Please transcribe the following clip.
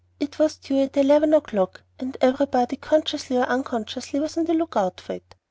It was due at eleven o'clock; and everybody, consciously or unconsciously, was on the lookout for it.